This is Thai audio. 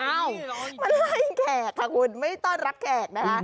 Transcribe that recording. อ้าวมันไล่แขกค่ะคุณไม่ต้อนรักแขกนะฮะ